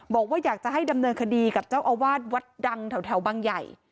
บอกว่าอยากจะให้ดำเนินคดีกับเจ้าอาวาสวัดดังแถวบางใหญ่